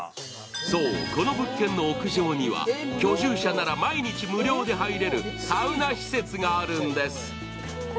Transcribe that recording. そう、この物件の屋上には居住者なら毎日入れるサウナ施設があるんです。